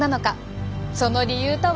その理由とは。